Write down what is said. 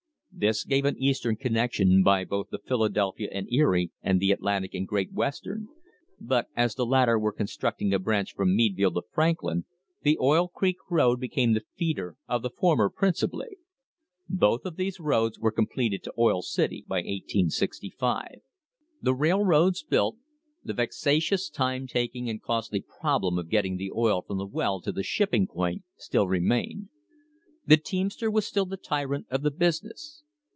This gave an eastern connection by both the Phila delphia and Erie and the Atlantic and Great Western, but as the latter was constructing a branch from Meadville to THE BIRTH OF AN INDUSTRY Franklin, the Oil Creek road became the feeder of the for mer principally. Both of these roads were completed to Oil City by 1865. The railroads built, the vexatious, time taking, and costly problem of getting the oil from the well to the shipping point still remained. The teamster was still the tyrant of the business.